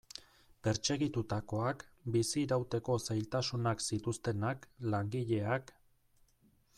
Pertsegitutakoak, bizirauteko zailtasunak zituztenak, langileak...